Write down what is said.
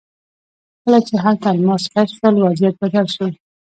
کله چې هلته الماس کشف شول وضعیت بدل شو.